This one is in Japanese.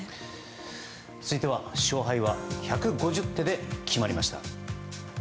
続いては勝敗は１５０手で決まりました。